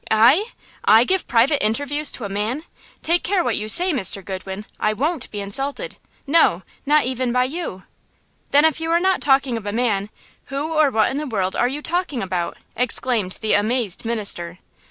"I!–I give private interviews to a man! Take care what you say, Mr. Goodwin; I won't be insulted; no, not even by you!" "Then, if you are not talking of a man, who or what in the world are you talking about?" exclaimed the amazed minister.